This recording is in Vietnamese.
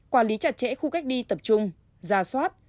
quản lý chặt chẽ khu cách ly tập trung giả soát